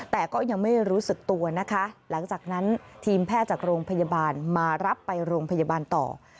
แต่ก็ยังไม่รู้สึกตัวนะคะหลังจากนั้นทีมแพทย์จากโรงพยาบาลมารับไปโรงพยาบาลต่อ